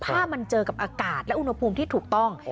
ถ้ามันเจอกับอากาศและอุณหภูมิที่ถูกต้อง